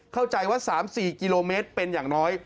เข้าใจว่า๓๔กิโลเมตรเป็นอย่างน้อย